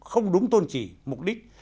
không đúng tôn trì mục đích